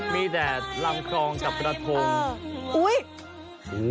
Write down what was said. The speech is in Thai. มีแดดลำคลองกับกระทง